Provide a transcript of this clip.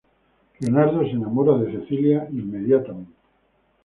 Leonardo se enamora de Cecilia inmediatamente.